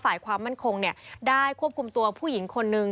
ฝ่ายความมั่นคงได้ควบคุมตัวผู้หญิงคนนึง